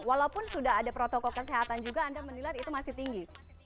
walaupun sudah ada protokol kesehatan juga anda menilai itu masih tinggi